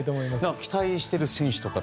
期待している選手は？